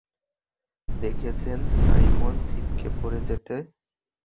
দেখেছেন সাইমন ছিটকে পড়ে যেতে।